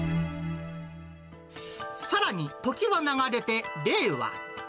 さらに時は流れて、令和。